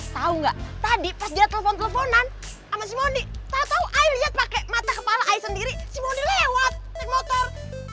tau gak tadi pas dia telfon telfonan sama si mondi tau tau airnya pake mata kepala air sendiri si mondi lewat naik motor